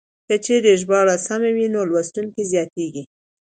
که چېرې ژباړه سمه وي نو لوستونکي زياتېږي.